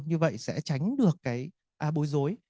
như vậy sẽ tránh được bối rối